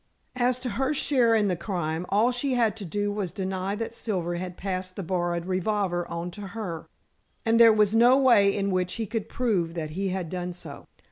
As to her share in the crime, all she had to do was to deny that Silver had passed the borrowed revolver on to her, and there was no way in which he could prove that he had done so.